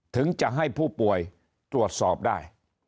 ถึงจะให้ผู้ป่วยตรวจสอบได้